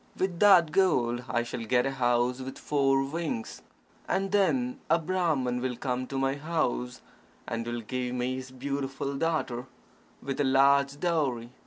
With that gold I shall get a house with four wings. And then a Brahman will come to my house, and will give me his beautiful daughter, with a large dowry.